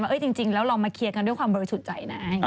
ว่าเอ้ยจริงแล้วเรามาเคลียร์กันด้วยความเบิกสุดใจนะ